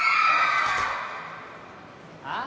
ああ？